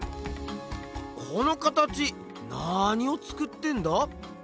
この形なにを作ってんだ？